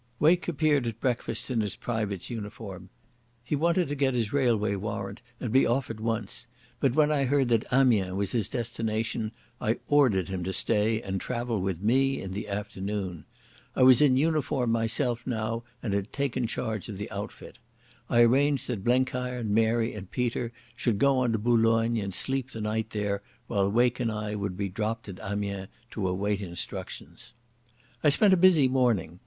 Wake appeared at breakfast in his private's uniform. He wanted to get his railway warrant and be off at once, but when I heard that Amiens was his destination I ordered him to stay and travel with me in the afternoon. I was in uniform myself now and had taken charge of the outfit. I arranged that Blenkiron, Mary, and Peter should go on to Boulogne and sleep the night there, while Wake and I would be dropped at Amiens to await instructions. I spent a busy morning.